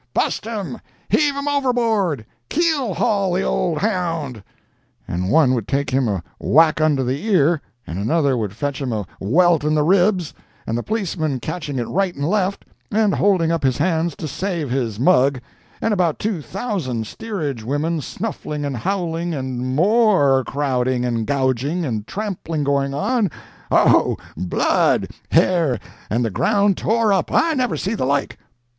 'Bust him! heave him overboard! keel haul the old hound!' and one would take him a whack under the ear, and another would fetch him a welt in the ribs, and the policeman catching it right and left, and holding up his hands to save his mug, and about two thousand steerage women snuffling and howling, and m o r e crowding and gouging, and trampling going on—Oh, blood, hair and the ground tore up!—I never see the like!"